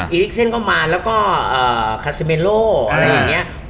อิเล็กเซ็นก็มาแล้วก็คาซิเมโลอะไรอย่างนี้